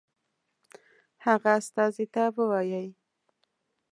هغه استازي ته ووايي.